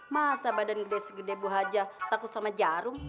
masa badan gede segede bu haja takut sama jarum